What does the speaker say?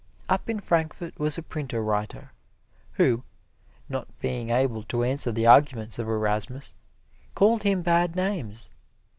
Up in Frankfort was a writer printer, who, not being able to answer the arguments of Erasmus, called him bad names.